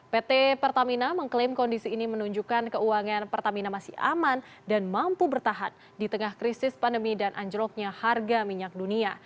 pt pertamina mengklaim kondisi ini menunjukkan keuangan pertamina masih aman dan mampu bertahan di tengah krisis pandemi dan anjloknya harga minyak dunia